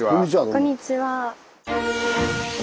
こんにちは。